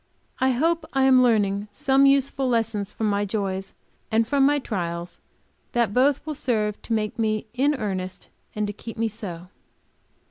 I hope I am learning some useful lessons from my joys and from my trials, and that both will serve to make me in earnest, and to keep me so.